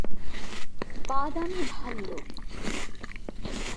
বাদামি ভাল্লুক।